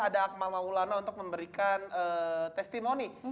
ada akmal maulana untuk memberikan testimoni